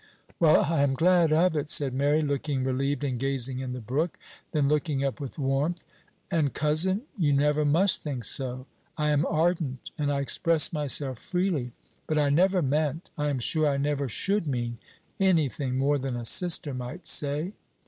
"Well, I am glad of it," said Mary, looking relieved, and gazing in the brook. Then looking up with warmth, "and, cousin, you never must think so. I am ardent, and I express myself freely; but I never meant, I am sure I never should mean, any thing more than a sister might say."